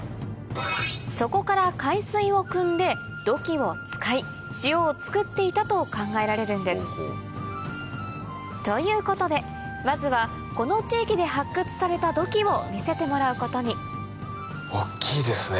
そこから海水をくんで土器を使い塩を作っていたと考えられるんですということでまずはこの地域で発掘された土器を見せてもらうことに大っきいですね。